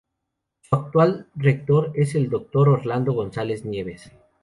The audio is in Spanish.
Su actual rector es el Dr. Orlando Gonzales Nieves.